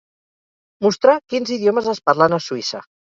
Mostrar quins idiomes es parlen a Suïssa.